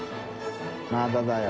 まあだだよ」